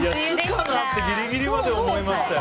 酢かなってギリギリまで思いました。